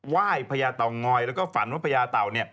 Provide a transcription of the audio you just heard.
ไหว้พญาเตางอยแล้วก็ฝันว่าพญาเต่า